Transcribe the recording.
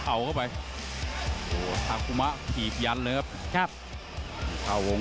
โอ้โหป้ำตีรุนแรงเหมือนกัน